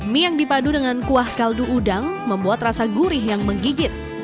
mie yang dipadu dengan kuah kaldu udang membuat rasa gurih yang menggigit